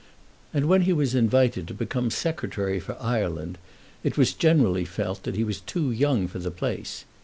And when he was invited to become Secretary for Ireland it was generally felt that he was too young for the place.